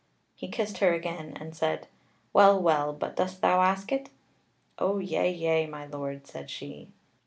He kissed her again, and said: "Well, well, but dost thou ask it?" "O yea, yea, my Lord," said she.